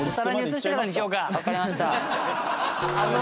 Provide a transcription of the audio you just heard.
わかりました。